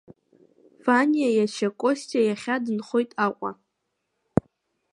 Ваниа иашьа Костиа иахьа дынхоит Аҟәа.